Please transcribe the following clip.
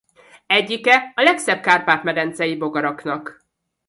Egyike a legszebb kárpát-medencei bogaraknak.